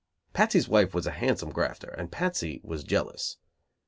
Patsy's wife was a handsome grafter; and Patsy was jealous.